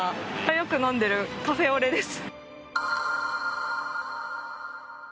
よく飲んでるカフェオレです。